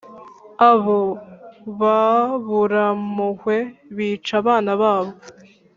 Abo baburampuhwe bica abana babo,